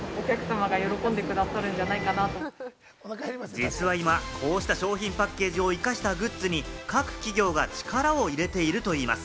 実は今、こうした商品パッケージを生かしたグッズに、各企業が力を入れているといいます。